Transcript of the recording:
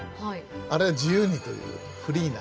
あれは自由にというフリーな。